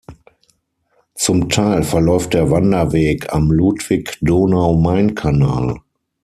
Zum Teil verläuft der Wanderweg am Ludwig-Donau-Main-Kanal.